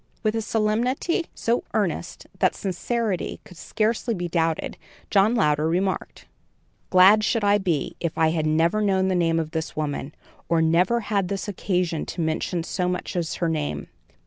With a solemnity so earnest that sincerity could scarcely be doubted, John Louder remarked: "Glad should I be, if I had never known the name of this woman, or never had this occasion to mention so much as her name.